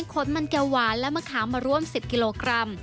ขนมันแก้วหวานและมะขามมาร่วม๑๐กิโลกรัม